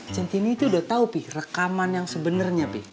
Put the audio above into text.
centini itu udah tau pih rekaman yang sebenernya pih